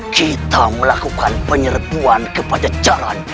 kita melakukan penyerbuan kepada jalan